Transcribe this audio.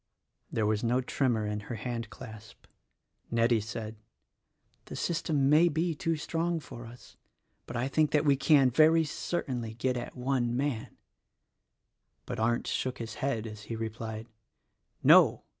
There was no tremor in her handclasp. Nettie said, "The system may be too strong for us; but I think that we can, very certainly, get at one man." THE RECORDING ANGEL 35 But Arndt shook his head as he replied, "No!